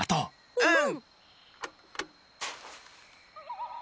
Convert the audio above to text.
うん。